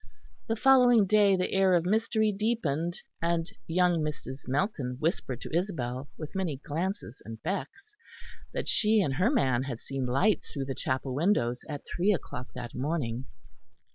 The following day the air of mystery deepened; and young Mrs. Melton whispered to Isabel, with many glances and becks, that she and her man had seen lights through the chapel windows at three o'clock that morning.